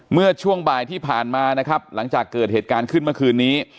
เมื่อช่วงบ่ายที่ผ่านมานะครับหลังจากเกิดเหตุการณ์ขึ้นเมื่อคืนนี้